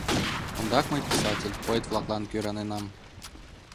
Ондак мый писатель, поэт-влаклан кӧраненам.